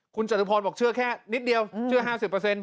คุณจันทุพรบอกเชื่อแค่นิดเดียวเชื่อ๕๐เปอร์เซ็นต์